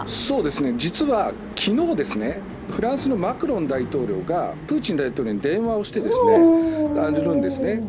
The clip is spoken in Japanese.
実は昨日、フランスのマクロン大統領がプーチン大統領に電話をしているんですね。